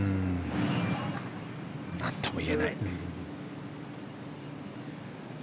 何とも言えない。